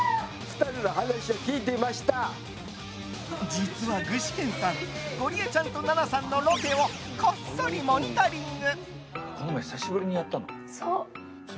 実は具志堅さんゴリエちゃんとＮＡＮＡさんのロケを、こっそりモニタリング。